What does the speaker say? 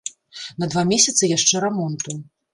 На два месяцы яшчэ рамонту.